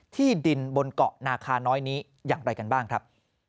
ที่ดินบนเกาะนาคาน้อยนี้อย่างไรกันบ้างครับ